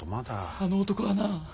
あの男はな